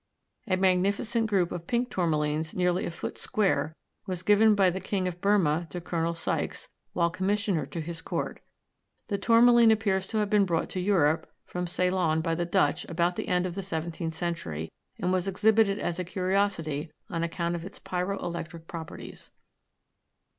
A magnificent group of pink tourmalines, nearly a foot square, was given by the king of Burmah to Col. Sykes, while commissioner to his court. The tourmaline appears to have been brought to Europe from Ceylon by the Dutch about the end of the seventeenth century, and was exhibited as a curiosity on account of its pyro electric properties.